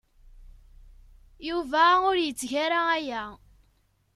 Yuba ur yetteg ara aya.